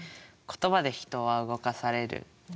言葉で人は動かされる。